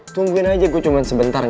tungguin aja gue cuman sebentar ya